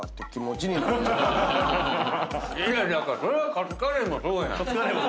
いやだからそれはカツカレーもそうやん。